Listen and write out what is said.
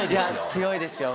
強いですよ。